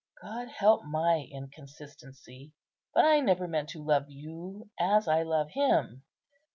God help my inconsistency! but I never meant to love you as I love Him.